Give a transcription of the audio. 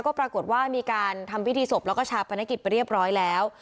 ก็ปรากฏว่ามีการทำพิธีศพแล้วก็ชาปนกิจไปเรียบร้อยแล้ว